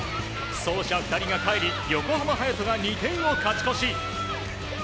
走者２人がかえり、横浜隼人が２点を勝ち越し。